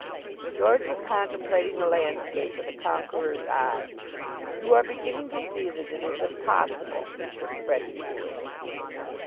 George was contemplating the landscape with a conqueror's eye. "You are beginning to see that it is impossible this Freddie foolishness."